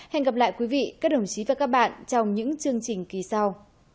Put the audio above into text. hẹn gặp lại quý vị các đồng chí và các bạn trong những chương trình kỳ sau